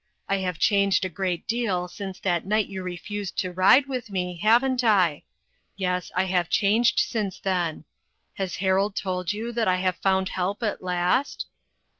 I have changed a great deal since that night you refused to ride with me, haven't I ? Yes, I have changed since then. Has Harold told you that I have found help at last